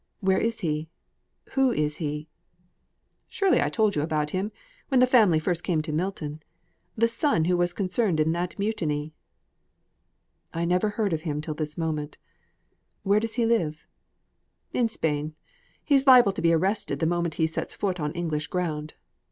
Where is he? Who is he?" "Surely I told you about him, when the family first came to Milton the son who was concerned in that mutiny." "I never heard of him till this moment. Where does he live?" "In Spain. He's liable to be arrested the moment he sets foot on English ground.